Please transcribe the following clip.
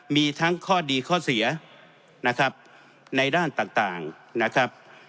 มีทั้งข้อดีข้อเสียนะครับในด้านต่างนะครับ